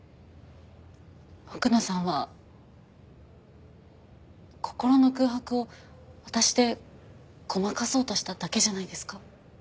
奥野さんは心の空白を私でごまかそうとしただけじゃないですか？